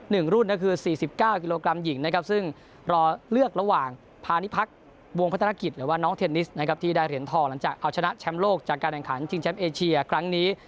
แล้วก็๑รุ่นคือ๔๙กิโลกรัมหญิงซึ่งรอเลือกระหว่างพาณิพักศ์วงภัตรกิจหรือว่าน้องเทนนิสที่ได้เหรียญทอดหลังจากเอาชนะแชมป์โลกจากการแข่งขันจริงแชมป์เอเชียครั้งนี้